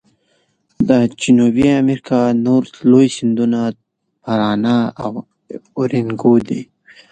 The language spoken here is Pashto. د جنوبي امریکا نور لوی سیندونه پارانا او اورینوکو دي.